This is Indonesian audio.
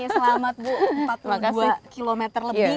selamat bu empat puluh dua km lebih